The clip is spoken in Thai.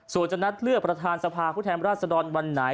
ส่วนจะนัดเลือกประธานสภาผู้แทนราชดรวันไหน